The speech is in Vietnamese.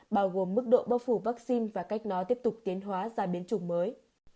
bao gồm mức độ bóc phủ vaccine và cách nó tiếp tục tiến hóa ra biến chủng mới